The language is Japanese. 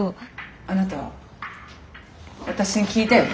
あなた私に聞いたよね？